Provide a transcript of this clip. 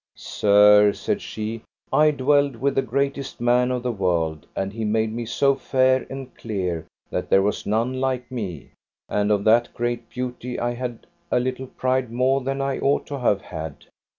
Sir, said she, I dwelled with the greatest man of the world, and he made me so fair and clear that there was none like me; and of that great beauty I had a little pride more than I ought to have had.